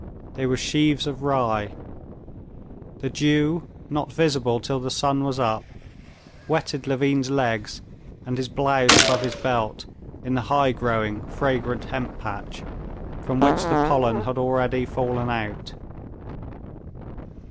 They were sheaves of rye. The dew, not visible till the sun was up, wetted Levin's legs and his blouse above his belt in the high growing, fragrant hemp patch, from which the pollen had already fallen out.